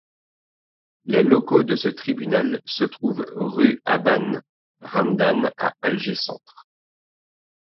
Les locaux de ce tribunal se trouvent rue Abane Ramdane à Alger-Centre.